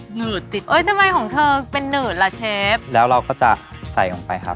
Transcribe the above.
หืดติดเอ้ยทำไมของเธอเป็นหืดล่ะเชฟแล้วเราก็จะใส่ลงไปครับ